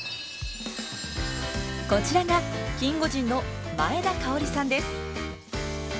こちらがキンゴジンの前田香さんです。